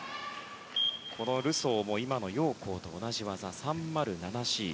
このルソーも今のヨウ・コウと同じ技３０７Ｃ。